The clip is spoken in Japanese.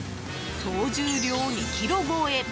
総重量２ｋｇ超え！